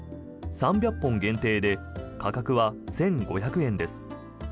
３００本限定で価格は１５００円です。